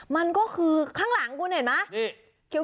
มันก็คือข้างหลังคุณเห็นไหม